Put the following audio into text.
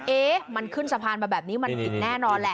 เอ๊ะมันขึ้นสะพานมาแบบนี้มันผิดแน่นอนแหละ